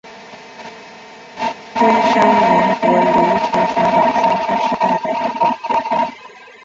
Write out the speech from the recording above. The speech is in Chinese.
中山王国琉球群岛三山时代的一个国家。